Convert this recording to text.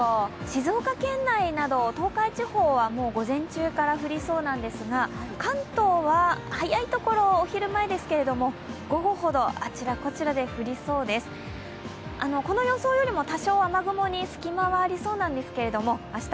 静岡県内など東海地方は午前中から降りそうなんですが、関東は早い所はお昼前ですけれども、午後ほどあちらこちらで降りそうです、この予想よりも多少雨雲に隙間はありそうなんですが明日